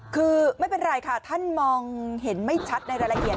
คือไม่เป็นไรค่ะท่านมองเห็นไม่ชัดในรายละเอียด